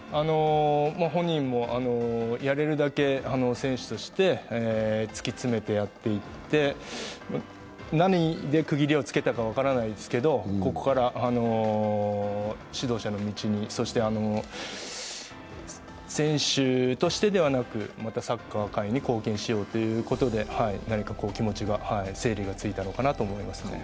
本人も、やれるだけ選手として突き詰めてやっていって、何で区切りをつけたか分からないですけどここから指導者の道に、そして選手としてではなくまたサッカー界に貢献しようということで何か気持ちが整理がついたのかなと思います。